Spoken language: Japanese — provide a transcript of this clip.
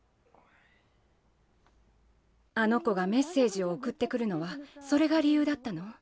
あの子がメッセージをおくってくるのはそれが理ゆうだったの？